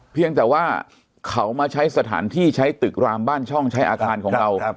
เพียงแต่ว่าเขามาใช้สถานที่ใช้ตึกรามบ้านช่องใช้อาคารของเรา